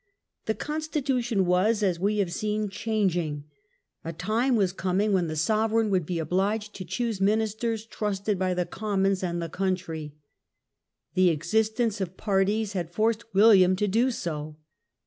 The constitution w^as, as we have seen, changing. A time was coming when the sovereign would be obliged to Her consti choose ministers trusted by the Commons and tutionaiim the country. The existence of parties had portance. forced William to do so.